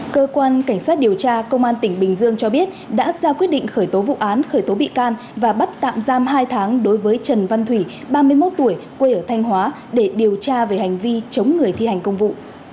cơ quan cảnh sát điều tra công an tỉnh bình dương cho biết đã ra quyết định khởi tố vụ án khởi tố bị can và bắt tạm giam hai tháng đối với trần văn thủy ba mươi một tuổi quê ở thanh hóa để điều tra về hành vi chống người thi hành công vụ